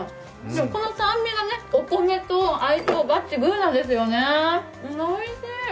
この酸味がお米と相性バッチグーなんですよね、おいしい。